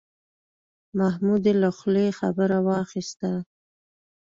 محمود یې له خولې خبره واخیسته.